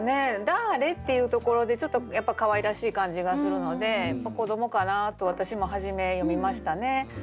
「だあれ？」っていうところでちょっとやっぱかわいらしい感じがするので子どもかなと私も初め読みましたね。